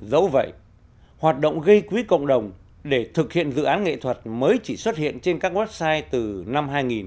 dẫu vậy hoạt động gây quỹ cộng đồng để thực hiện dự án nghệ thuật mới chỉ xuất hiện trên các website từ năm hai nghìn một mươi